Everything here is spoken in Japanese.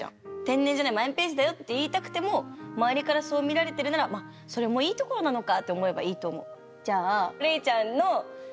天然じゃないマイペースだよって言いたくてもまわりからそう見られてるならまそれもいいところなのかって思えばいいと思う。